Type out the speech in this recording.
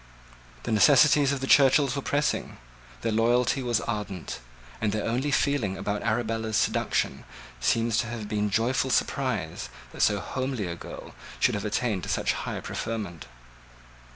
The necessities of the Churchills were pressing: their loyalty was ardent: and their only feeling about Arabella's seduction seems to have been joyful surprise that so homely a girl should have attained such high preferment.